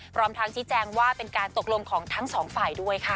พร้อมทั้งชี้แจงว่าเป็นการตกลงของทั้งสองฝ่ายด้วยค่ะ